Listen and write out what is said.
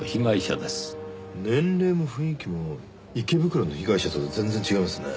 年齢も雰囲気も池袋の被害者と全然違いますね。